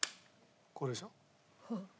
これでしょ？